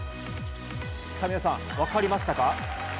皆さん、分かりましたか。